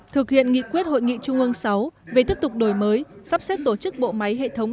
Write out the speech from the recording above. thực hiện nghị quyết hội nghị trung ương sáu về tiếp tục đổi mới sắp xếp tổ chức bộ máy hệ thống